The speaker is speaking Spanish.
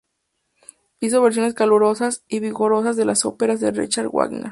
Hizo versiones calurosas y vigorosas de las óperas de Richard Wagner.